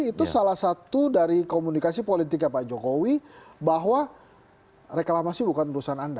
itu salah satu dari komunikasi politiknya pak jokowi bahwa reklamasi bukan urusan anda